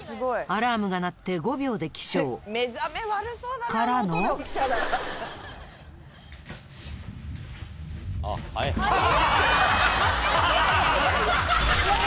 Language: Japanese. アラームが鳴って５秒で起床からのハハハハ。